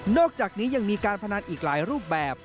อกจากนี้ยังมีการพนันอีกหลายรูปแบบ